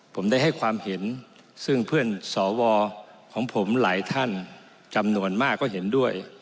ผมได้ให้ความเห็นซึ่งเพื่อนสวของผมหลายท่านจำนวนมากก็เห็นด้วย